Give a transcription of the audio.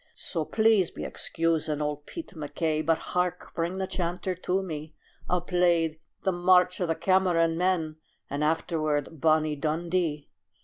"So please be excusing old Pete MacKay But hark! bring the chanter to me, I'll play the 'March o' the Cameron Men,' And afterward 'Bonnie Dundee.'"